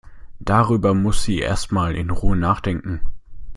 Darüber muss sie erst mal in Ruhe nachdenken.